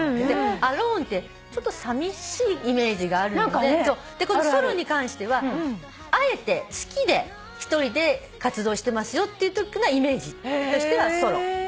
アローンってさみしいイメージがあるのでこのソロに関してはあえて好きで一人で活動してますよっていうイメージ。としてはソロ。